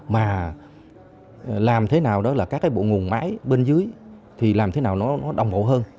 mà làm thế nào đó là các cái bộ nguồn máy bên dưới thì làm thế nào nó đồng hộ hơn